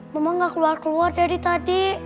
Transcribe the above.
mama gak keluar keluar dari tadi